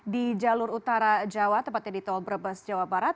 di jalur utara jawa tepatnya di tol brebes jawa barat